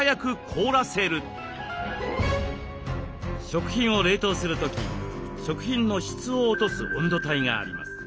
食品を冷凍する時食品の質を落とす温度帯があります。